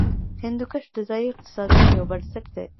هندوکش د ځایي اقتصادونو یو بنسټ دی.